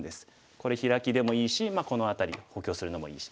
これヒラキでもいいしまあこの辺りを補強するのもいいし。